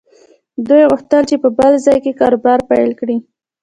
دوی غوښتل چې په بل ځای کې کاروبار پيل کړي.